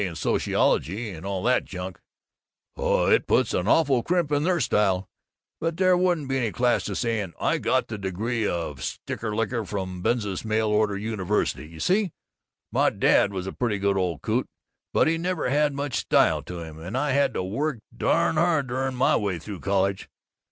in sociology and all that junk ' Oh, it puts an awful crimp in their style! But there wouldn't be any class to saying 'I got the degree of Stamp licker from the Bezuzus Mail order University!' You see My dad was a pretty good old coot, but he never had much style to him, and I had to work darn hard to earn my way through college.